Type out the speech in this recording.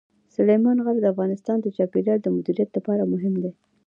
سلیمان غر د افغانستان د چاپیریال د مدیریت لپاره مهم دي.